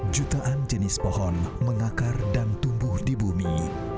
jutaan jenis pohon mengakar dan tumbuh di bumi